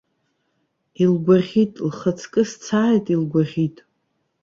Илгәаӷьит, лхаҵкы сцааит, илгәаӷьит.